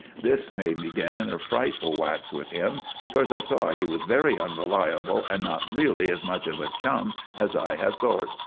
This made me get in a friteful wax with him, becorse I saw he was very unreliable and not reely as much of a chum as I had thort.